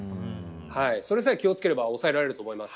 それさえ気を付ければ抑えられると思います。